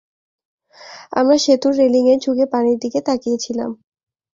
আমরা সেতুর রেলিংয়ে ঝুঁকে পানির দিকে তাকিয়ে ছিলাম।